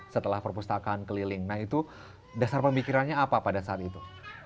setelah perpustakaan keliling nah itu dasar pemikirannya apa pada saat itu